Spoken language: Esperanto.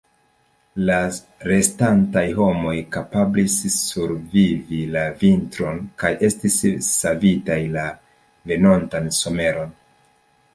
La restantaj homoj kapablis survivi la vintron, kaj estis savitaj la venontan someron.